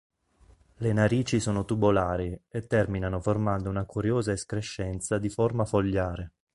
Le narici sono tubolari e terminano formando una curiosa escrescenza di forma fogliare.